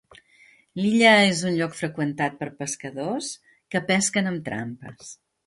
L'illa és un lloc freqüentat per pescadors que pesquen amb trampes.